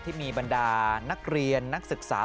ที่มีบรรดานักเรียนนักศึกษา